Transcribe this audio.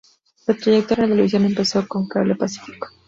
Su trayectoria en la televisión empezó en Cable Pacífico.